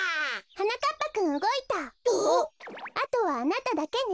あとはあなただけね。